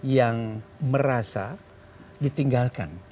yang merasa ditinggalkan